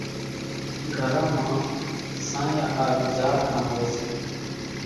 گھران مان سانيا ۿارُو زاڙکان هوئيَ سي۔